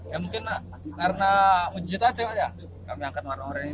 ya mungkin karena menjijikkan saja kita angkat warna oranye